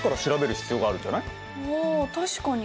ああ確かに。